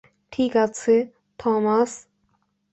ঠিক আছে, থমাস।